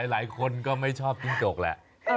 หลายคนก็ไม่ชอบจิ้งจกแหละ